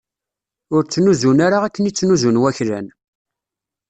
Ur ttnuzun ara akken i ttnuzun waklan.